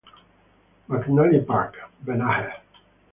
McNally Park, Banagher.